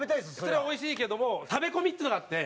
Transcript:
そりゃおいしいけども食べ込みっていうのがあって。